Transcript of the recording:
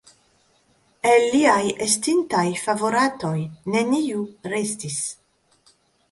El liaj estintaj favoratoj neniu restis.